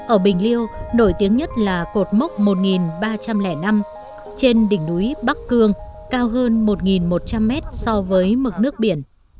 ở bình liêu nổi tiếng nhất là cột mốc một nghìn ba trăm linh năm trên đỉnh núi bắc cương cao hơn một một trăm linh mét so với mực nước biển